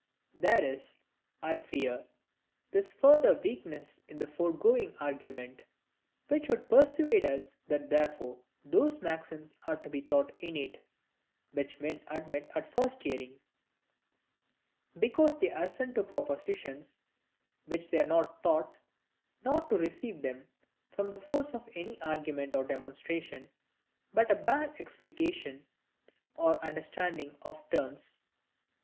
There is, I fear, this further weakness in the foregoing argument, which would persuade us that therefore those maxims are to be thought innate, which men admit at first hearing; because they assent to propositions which they are not taught, nor do receive from the force of any argument or demonstration, but a bare explication or understanding of the terms.